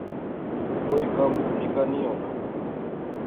کوئی کم نکا نی ہونا